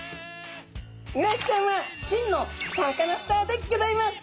イワシちゃんは真のサカナスターでギョざいます！